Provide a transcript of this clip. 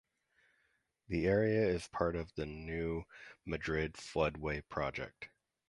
The area is part of the New Madrid Floodway Project.